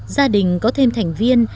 gia đình có thêm thành viên